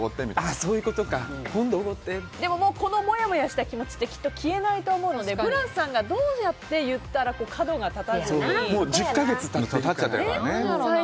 そういうことかでも、このもやもやした気持ちきっと消えないと思うのでブラスさんがどうやって言ったら角が立たずに催促できるか。